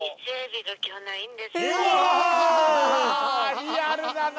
リアルだな。